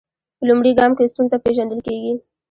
په لومړي ګام کې ستونزه پیژندل کیږي.